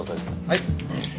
はい。